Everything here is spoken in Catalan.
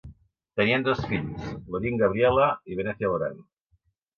Tenien dos fills, Lorin Gabriella i Venezia Loran.